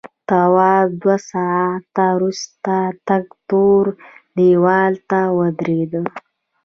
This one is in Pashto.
تواب دوه ساعته وروسته تک تور دیوال ته ودرېد.